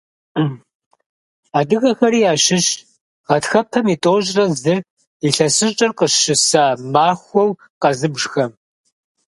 Адыгэхэри ящыщщ гъатхэпэм и тӏощӏрэ зыр илъэсыщӀэр къыщыса махуэу къэзыбжхэм.